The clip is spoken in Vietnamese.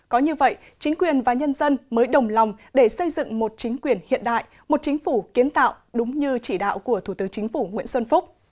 có như vậy chính quyền và nhân dân mới đồng lòng để xây dựng một chính quyền hiện đại một chính phủ kiến tạo đúng như chỉ đạo của thủ tướng chính phủ nguyễn xuân phúc